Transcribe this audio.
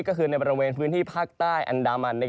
ก็คือในบริเวณพื้นที่ภาคใต้อันดามัน